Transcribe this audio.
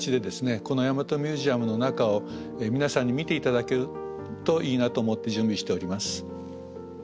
この大和ミュージアムの中を皆さんに見て頂けるといいなと思って準備しております。